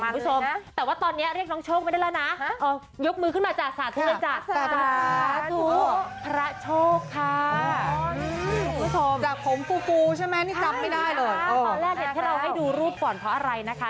เพราะล่ะเดี๋ยวเราให้ดูรูปก่อนเพราะอะไรนะคะ